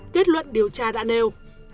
kết luận điều tra đã nêu